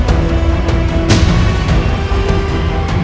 aku tidak peduli